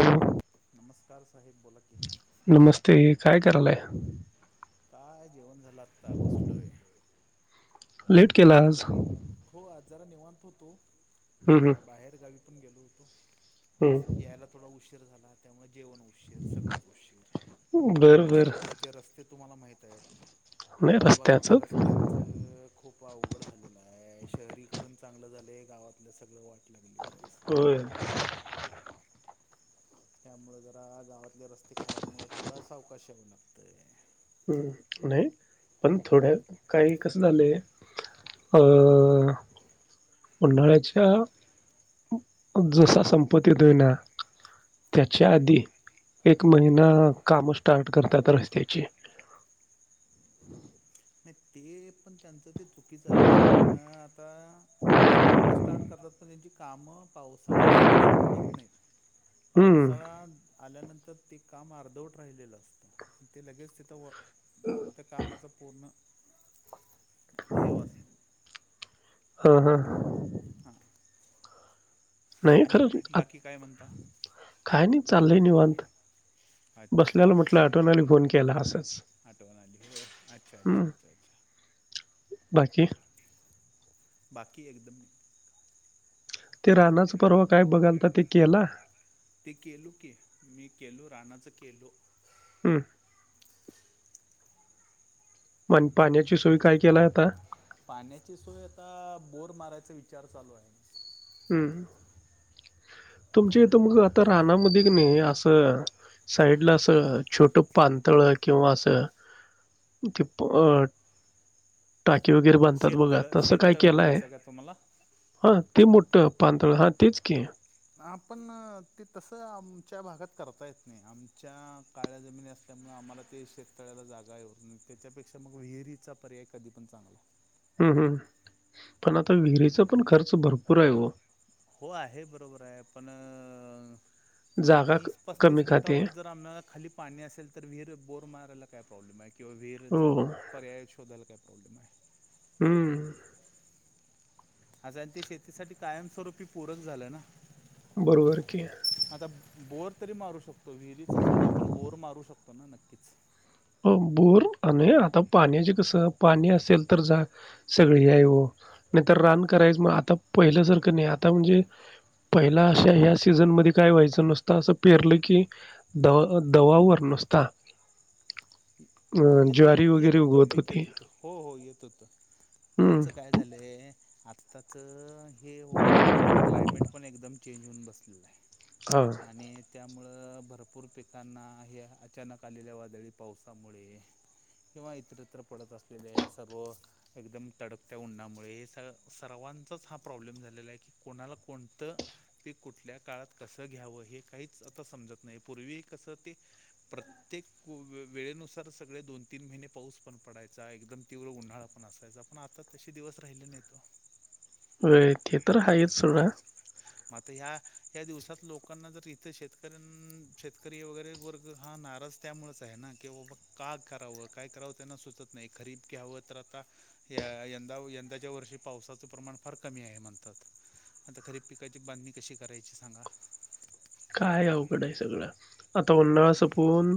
हम्म. नमस्कार साहेब बोला की नमस्ते काय करायला? काय जेवण झालं? आता बसलोय आज लेट जरा केला निवांत हो आज जरा निवांत होतो. हम्म जरा बाहेर गावी आपण गेलो होतो. हम्म यायला थोडा उशीर झाला त्यामुळे जेवण उशीर सगळंच हम्म बर उशीर बर सध्याचे रस्ते तुम्हाला माहितय. नाही रस्त्याच गावभगातल्या रस्त्यांच खूप अवघड झालेलं आहे शहरीकरण चांगलं झाले गावातल्या सगळं वाटलं हो त्यामुळे जरा गावातले रस्ते खराब मु थोडा अवकाश याऊ लागतय हम् नाही पण थोड्या काही कस झालं अ उन्हाळ्याच्या जसा संपत्ती देयना त्याच्या आधी एक महिना काम स्टार्ट करतात रस्त्याची नाही ते पण त्यांचं ते चुकीचं आहे कारण आता कामं स्टार्ट करतात पण त्यांची कामं पावसाळी येपर्यंत संपत नाहीत हम्म पावसाळ्यात आल्यानंतर ते काम अर्धवट राहिलेलं असतं ते लगेच तिथं त्या कामाचा पूर्ण हे वास हा हा हा नाही खरं काय म्हणता काय नाही चालून वत बसल्याला म्हटलं आठवण्या फोन के केला असत हटोला अच्छा अच्छ्छ्छ बाकी बाकी एकदम ते रानाच परवा काय बघाल तर ते केला ते केलू की मी केलो रानाचं केलो हम पण पाण्याची सोय काय केला आता पाण्याची सोय आता बोर मारायचा विचार चालू आहे हम् तुमच्या इ तर म आता रानामध्ये नाही असं साईडला असं छोट पानतळ किंवा असं ते अ - टाकीे वगैरे बांधतात बघा शेततळ तसं काय शेततळ केलंय म्हणायचं आहे का तुम्हाला? ह [unintelligible] पतळ हा तेच की आपण ते तसं आमच्या भागात करता येत नाही आमच्या काळ्या जमिनी असल्यामुळे आम्हाला ते शेततळ्याला जागा आहे नाही त्याच्यापेक्षा मग विहिरीचा पर्याय कधी पण चांगला हम् हम् पण आता विहिरीचा पण खर्च भरपूर आहे हो हो आहे बरोबर आहे पण आता जागा क- तीस कमी पस्तीस खाते फुटावर जर आम्हाला खाली पाणी असेल तर विहीर बोर मा - [unintelligible] किंवा विहीरींचा हो पर्याय शोधल का - हम्म अस आणि ते शेतीसाठी कायमस्वरूपी पूरक झालं ना बरोबर हाय की आता बोर तरी मारू शकतो विहिरीचा सोडा आपण बोर मारू शकतो ना नक्कीच हो बोर आणि आता पाण्याचे कसं पाणी असेल तर जा सगळी आहे हो नाही तरर रान करायचं मग आता पहिल्यासारखं नाही आता म्हणजे पहिला अशा ह्या सीझन मध्ये काय व्हायचं नुसत असं पेरलं की द दवावर नुसता - येत होत येत होत उगवत पीक होती. येत होतं हो हो येत होत हं. त्याचं काय झालंय आत्ताच हे ओ क्लायमेट पण एकदम - चेंज येऊन बसलय हां. आणि त्यामुळ भरपूर पिकांना हे अचानक आलेल्या वादळी पावसामुळे किंवा इतरत्र पडत असलेल्या या सर्व एकदम तडकत्या उन्हामुळे सर्वांचाच हा प्रॉब्लेम झालेला आहे कि कोणाला कोणत ते कुठल्या काळात कस घ्यावं हे काहीच आता समजत नाही पूर्वी कस ते प्रत्येक वेळेनुसार - सगळे दोन तीन महिने पाऊस पण पडायचा एकदम तीव्र उन्हाळा पण असायचा पण आता तसे दिवस राहिले नाहीत ओ - व्हय ते तर हायच सोडा म् आता ह्या ह्या दिवसात लोकांना जर इथे शेतकऱ्यां शेतकरी वगैरे वर्ग हा नाराज त्यामुळेच आहे ना कि बाबा का करावं काय करावं त्यांना सुचत नाही खरीप घ्यावं तर आता यंदा यंदाच्या वर्षी पावसाचं प्रमाण फार कमी आहे म्हणतात आता खरीप पिकाची बांधणी कशी करायची सांगा काय अवघड आहे सगळं आता उन्हाळा सपवून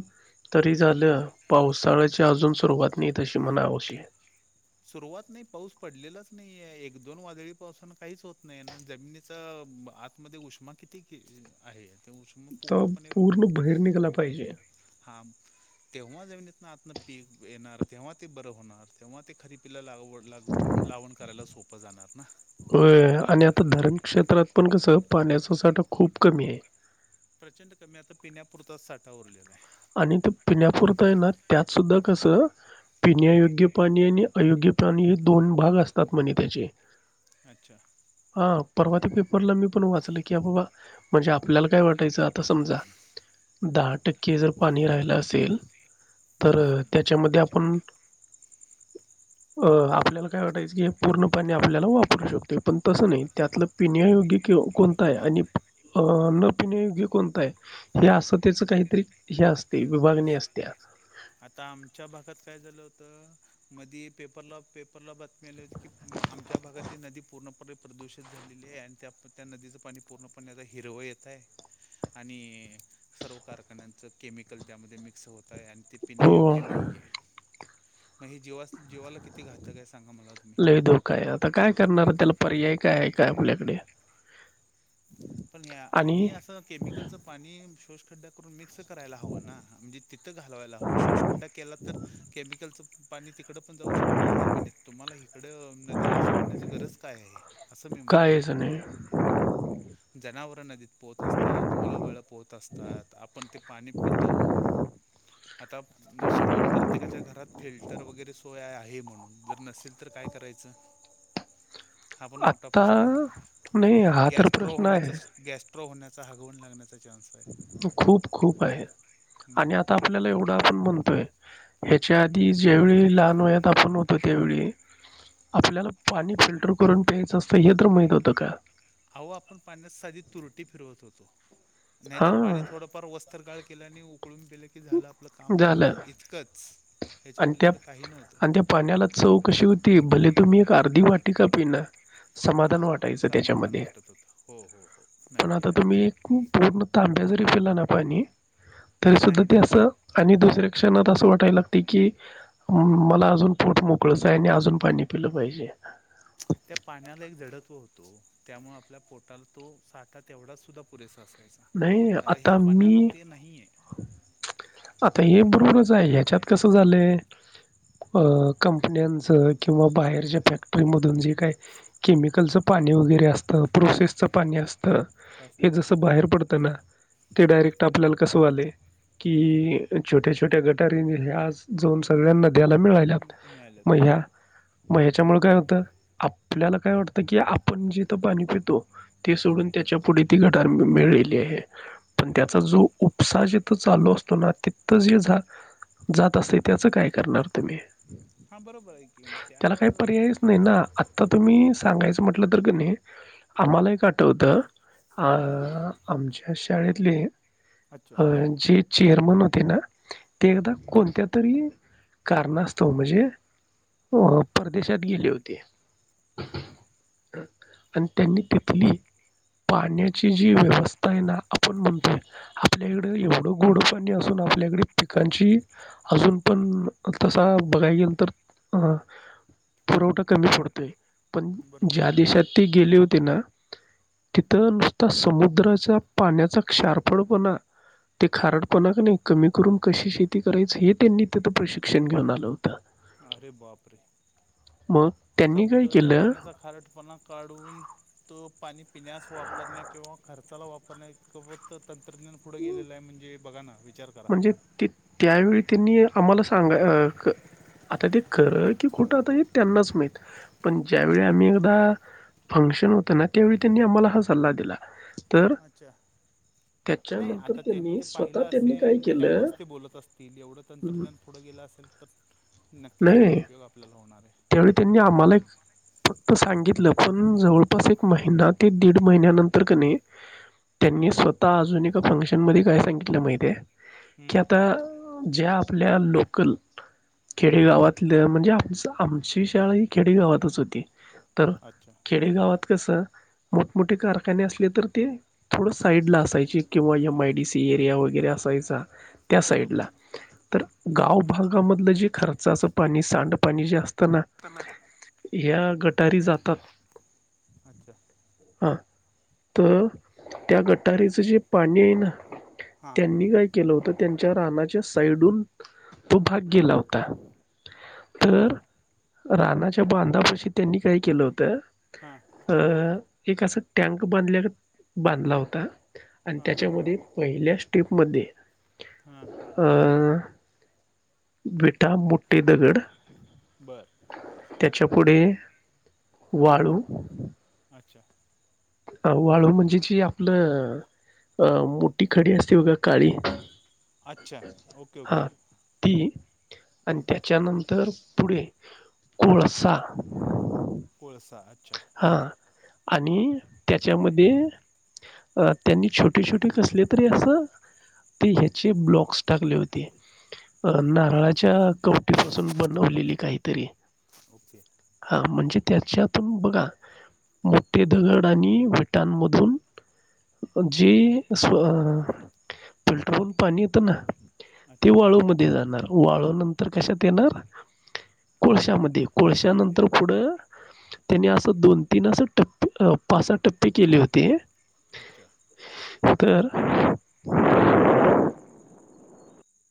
तरी झालं पावसाळ्याची अजून सुरुवात नाही तशी म्हणावशी सुरुवात नाही पाऊस पडलेलाच नाही एक दोन वादळी पावसान काहीच होत नाही ना जमिनीचा आतमध्येध्ये उष्मा किती आहे ते उष्मा अत्ता पूर्णपणे पूर्ण भाईर निघला पाहिजे हा तेव्हा जऊन ईतन आतन पीक येणार तेव्हा ते बरं होणार तेव्हा ते खरी - [unintelligible] [unintelligible] लावण करायला सोप प्प जाणार ना होय आणि आता धरण क्षेत्रात पण कसं पाण्याचा साठा खूप कमी आहे प्रचंड कमी आता पिण्यापुरताच साठा उरलेला आहे आणि ते पिण्यापुरत आहे ना त्यात सुद्धा कसं पिण्यायोग्य पाणी आणि अयोग्य पाणी हे दोन भाग असतात म्हणे त्याचे आहे अच्छा हा परवा [inaudible] [unintelligible] मी पण वाचल की बाबा - म्हणजे आपल्याला काय वाटयचं त समजा दाटक क जर पाणी राहिलं असेल हम्म, तर त्याच्यामध्ये आप पण अ आपल्याला काय वाटायचं की पूर्ण पाणी आपल्याला वापरू शकते पण तसं नाही अच्छा त्यातलं पिण्यायोग कोणता आहे आणि न पिण्यायोग्य कोणता आहे हे असं त्याच काहीतरी या असते विभागणी असत्या आता आमच्या भागात काय झालं होतं मधी पेपरला पेपरला बातमी आली होती की आमच्या भागातली नदी पूर्णपणे प्रदूषित झालेली आहे आणि त्या त्या नदीचं पाणी पूर्णपणे आता हिरवं येत आहे आणि सर्व कारखान्यांचं केमिकल त्यामध्ये मिक्स होत आहे आणि पिण्या योग्य हो, नाही आहे मग ह जीवा जीवाला किती घातक आहे सांगा मला तुम्ही ल दो काय आता काय करणार त्याला पर्याय काय आहे काय आपल्याकडे पण या हयानी आणि असं केमिकलच पाणी शोष खड्डा करून मिक्स करायला हव ना म्हणजे तिथं घालवायला हवं शोषखड्डा केला तर केमिकल च पाणी तिकड पण जाऊ शकता ना जमिनीत तुम्हाला इकडे अ नदीला सोडण्याची गरज काय आहे असं मी म्हणतो कायच नाही काय झालं ये जनावर नदीत पोहत असतात मुलं बाळ पोहत असतात आपण ते पाणी पितो आता नशिबानं प्रत्येकाच्या घरात फिल्टर वगैरे सोय आहे म्हणून जर नसेल तर काय करायचं हा पण मोठा आता प्रश्न नाही हा तर प्रश्न आहे तस गॅस ्रप्रो होण्याचा ह काही गुण लागलाच आहे खु खूप खूप आहे मग आणि आता आपल्याला एवढं आपण म्हणू ह्याच्या आधी ज्यावेळी लहान वयात आपण होतो त्यावेळी आपल्याला पाणी फिल्टर करून प्यायचं असतं हे तर माहित होतं का आहो आपण पाण्यात साधी तुरटी फिरवत होतो नाहीतर पाणी हां थोडंफार वस्त्रगाळ केल्या आणि पकळून गेलं केलं की झाला आप आपलं काम झालं भागलं इतकंच ह्याच्या आणि त्या पलीकडे काही नव्हतं आणि त्या पाण्याला चव कशी होती भले तु मी वाटी वाटिका पीना हां समाधान वाटायचं समाधान त्याच्यामध्ये वाटत होतं हो हो हो पण नक्की आता नक्की तुम्ही एक पूर्ण तांब्याजरी पिलाना पाणी तरी सुद्धा नाही ते नाही असं आणि दुस रिक्षानात असं वाटयल की मला अजून पोट मोकळच आहे आणि अजून पाणी पिलं पाहिजे. त्या पाण्याला एक झडत्व होतो त्यामुळे आपल्या पोटाला तो साठा तेवढाच सुद्धा पुरेसा असतो. नाही आता मी नाही आहे आता हे बरोबरच आहे. ह्याच्यात कसं झालंय अ कंपन्यांच किंवा बाहेरच्या फॅक्टरीमधून जे काय केमिकलचं पाणी वगैरे असतं. प्रोसेसच पाणी असत. हे असतं हो जसं बाहेर ते डायरेक्ट आपल्याला कस व्हायलये की छोट्या छोट्या गटारी या आज जाऊन सगळ्या नद्यांना मिळायल्यात. हम्म, मिळाल्यात हो मग ह्याच्यामुळे काय होतं आपल्याला काय वाटतं की, आपण जेथ पाणी पितो ते सोडून त्याच्या पुढे ती गटार मी मिळेल. हे पण त्याचा बरोबर जो उपसा जिथ चालू असतो ना तिथ जे झ जात असते त्याच काय करणार तुम्ही. हां बरोबर आहे की मग त्याला त्यावर काही उप- पर्यायच नाही ना आता तुम्ही सांगायचं म्हटलं तर क नाही आम्हाला एक आठवतं आ आमच्या शाळेतले अच्छा ह जीची एरमन होते ना ते बरं एकदा कोणत्या तरी कारणास्तव म्हणजे अ परदेशात गेले होते. [inaudible] आणि त्यांनी तिथली पाण्याची जी व्यवस आता आहे ना आपण म्हणतोय आपल्याकडे एवढं गोडं पाणी असून आपल्याकडे पिकांची अजून पण तसा बघाय गेल तर अ पुरवठा कमी पडतोय पण बरोबर ज्या देशात ते गेले होते ना तिथं नुसता समुद्र पाण्याचा क्षारफळपणा, ते खारटपणा क नाही कमी करून कशी शेती करायच हे त्यांनी तिथ प्रशिक्षण घेऊन आलं होतं. अरे बाप रे मग त्यांनी काय समुद्राच्या केलं पाण्याचा खारटपणा काढून तो पाणी पिण्यास वापरण्या किंवा खर्चाला वापरण्या इतक तंत्रज्ञान पुढे गेलेलं आहे. म्हणजे बघा ना विचार करा. म्हणजे ते त्यावेळी त्यांनी आम्हाला सांगा क आता ते खर की खोटं आता हे त्यांनाच माहित. पण ज्यावेळी आम्ही एकदा फंक्शन होत ना त्यावेळी त्यांनी आम्हाला हा सल्ला दिला. तर अच्छा. नाही त्याच्यानंतर आता त्यांनी ते स्वतः पाहिलं त्यांनी काय असेल केलं त्यामुळेच ते बोलत असतील एवढं अं, तंत्रज्ञान पुढं गेलं असेल तर नक्कीच त्याचा नाही उपयोग आपल्याला होणार आहे. त्यावेळी त्यांनी आम्हाला एक फक्त सांगितलं. पण जवळपास एक महिना ते दीड महिन्यानंतर कनी त्यांनी स्वतः अजून एका फंक्शन मध्ये काय सांगितलं माहिती आहे. कि हम्म आता ज्या आपल्या लोकल खेडेगावातल्या म्हणजे आमचा आमची शाळा ही खेडेगावातच होती. तर अच्छा खेडेगावात कसं मोठमोठे कारखाने असले तर ते थोडं साईडला असायचे. किंवा M I D C area वगैरे असायचा. त्या बरोबर. साईडला तर गाव भागामधलं जे खर्च असं पाणी सांडपाणी जे असत. प ना. ह्या गटारी जातात अच्छा हा तर त्या गटारीचं जे पाणी आहे ना. हां त्यांनी काय केलं होत. त्यांच्या रानाच्या साईडून तो भाग गेला होता. तर अच्छा रानाच्या बांधापाशी त्यांनी काय केलं होतं. हां हम एक असा टँक बांधल्या बांधला होता. आणि हां त्याच्यामध्ये पहिल्या. ट्रिपमध्येे. हां आ. विटा मोठे दगड. बरं त्याच्या पुढे वाळू [inaudible] ह वाळू म्हणजे जी आपलं अ मोठी खडी असते बघा काळी. अच्छा ओके हा ओके ती आणि अच्छा त्याच्यानंतर पुडेे कोळसा. कोळसा अच्छा. हा आणि त्याच्यामध्ये अ त्यांनी छोटे छोटे कसले तरी असं ते ह्याचे ब्लॉक्स टाकले होते अ नारळाच्या कवटी पाासून बनवलेली काहीतरी. ओके. अ म्हणजे त्याच्यात. पण बघा मोठे दगड आणि विटांमधून जे अस फिल्टर होऊन पाणी येतं ना. ते अच्छा वाळू मध्ये जाणार. वाळू नंतर कशात येणार. कोळश्यामध्ये कोळश्या कोळशामध्ये नंतर पुढं. त्यांनी असं दोन तीन अस टप्प असं पाच सहा टप्पे केले होते. अच्छा! तर.